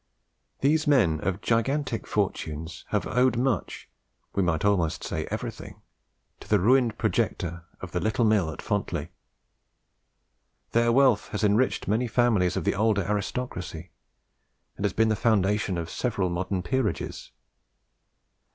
These men of gigantic fortunes have owed much we might almost say everything to the ruined projector of "the little mill at Fontley." Their wealth has enriched many families of the older aristocracy, and has been the foundation of several modern peerages.